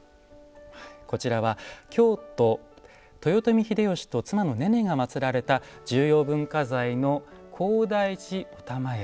こちらは京都豊臣秀吉と妻のねねが祀られた重要文化財の高台寺霊屋。